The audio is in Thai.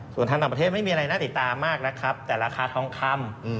ส่วนทางต่างประเทศไม่มีอะไรน่าติดตามมากนะครับแต่ราคาทองคำ